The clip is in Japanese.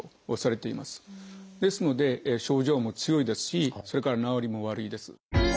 ですので症状も強いですしそれから治りも悪いです。